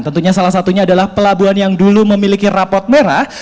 tentunya salah satunya adalah pelabuhan yang dulu memiliki rapot merah